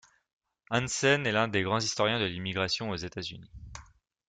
Hansen est l'un des grands historiens de l'immigration aux États-Unis.